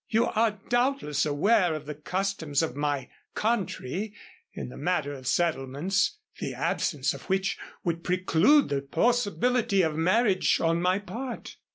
You are doubtless aware of the customs of my country in the matter of settlements, the absence of which would preclude the possibility of marriage on my part.